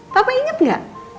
papa inget gak